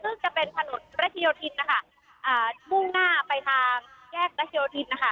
ซึ่งจะเป็นถนนระเทียวทิศนะคะอ่ามุ่งหน้าไปทางแยกระเทียวทิศนะคะ